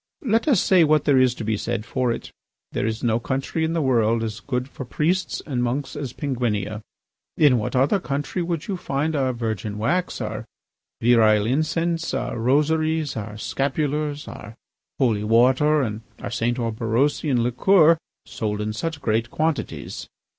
Let us say what there is to be said for it. There is no country in the world as good for priests and monks as Penguinia. In what other country would you find our virgin wax, our virile incense, our rosaries, our scapulars, our holy water, and our St. Orberosian liqueur sold in such great quantities?